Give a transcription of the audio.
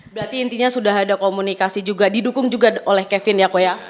berarti intinya sudah ada komunikasi juga didukung juga oleh kevin ya kok ya